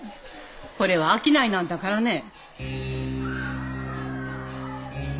これは商いなんだからね。